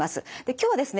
今日はですね